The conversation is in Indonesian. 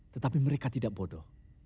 tetapi mereka tidak bodoh